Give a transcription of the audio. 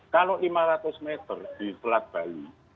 kalau lima ratus meter di selat bali